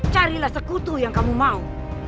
carilah sekutu yang kamu mau